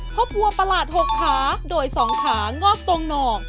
พบวัวประหลาด๖ขาโดย๒ขางอกตรงหนอก